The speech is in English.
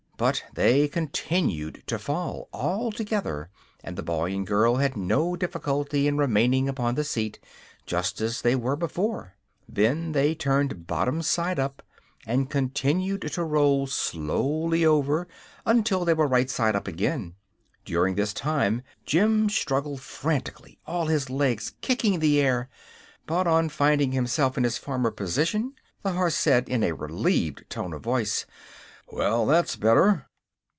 But they continued to fall, all together, and the boy and girl had no difficulty in remaining upon the seat, just as they were before. Then they turned bottom side up, and continued to roll slowly over until they were right side up again. During this time Jim struggled frantically, all his legs kicking the air; but on finding himself in his former position the horse said, in a relieved tone of voice: "Well, that's better!"